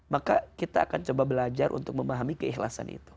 maka kita akan coba belajar untuk memahami keikhlasan itu